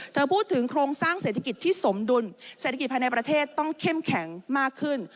เธอพูดถึงโครงสร้างเศรษฐกิจที่สมดุลเศรษฐกิจภายในประเทศต้องเข้มแข็งมากขึ้น